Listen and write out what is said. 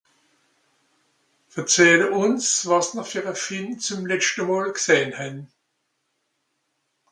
Verzehle ùns, wàs-n-r fer e Film zem letschte mol gsehn hän.